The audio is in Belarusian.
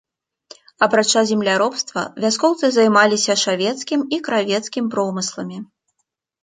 Апрача земляробства вяскоўцы займаліся шавецкім і кравецкім промысламі.